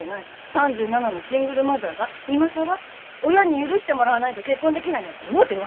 ３７のシングルマザーが今更親に許してもらわないと結婚できないなんて思ってるわけじゃない。